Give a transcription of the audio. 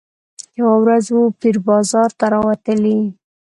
یوه ورځ وو پیر بازار ته راوتلی